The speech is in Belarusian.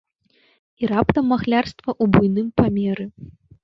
І раптам махлярства ў буйным памеры!